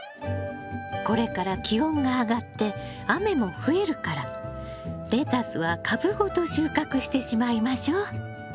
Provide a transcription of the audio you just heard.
これから気温が上がって雨も増えるからレタスは株ごと収穫してしまいましょう。